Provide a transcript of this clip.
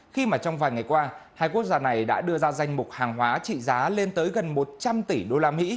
khi mà trong vài ngày qua hai quốc gia này đã đưa ra danh mục hàng hóa trị giá lên tới gần một trăm linh tỷ usd